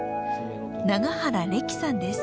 永原レキさんです。